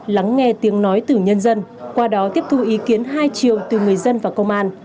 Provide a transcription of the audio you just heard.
lắng nghe tiếng nói từ nhân dân qua đó tiếp thu ý kiến hai chiều từ người dân và công an